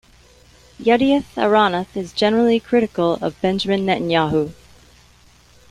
"Yedioth Ahronoth" is generally critical of Benjamin Netanyahu.